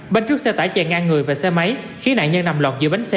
bên trước xe tải chè ngang người và xe máy khiến nạn nhân nằm lọt giữa bánh xe